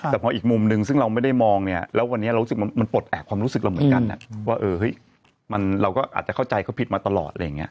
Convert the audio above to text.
แต่พออีกมุมนึงซึ่งเราไม่ได้มองเนี่ยแล้ววันนี้เรารู้สึกมันปลดแอบความรู้สึกเราเหมือนกันว่าเราก็อาจจะเข้าใจเขาผิดมาตลอดอะไรอย่างนี้